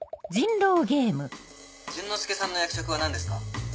淳之介さんの役職は何ですか？